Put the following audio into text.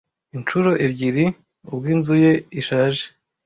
inshuro ebyiri ubw'inzu ye ishaje.